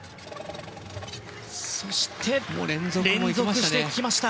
そして連続してきました。